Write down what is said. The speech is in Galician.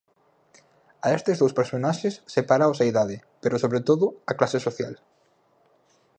A estes dous personaxes sepáraos a idade, pero sobre todo a clase social.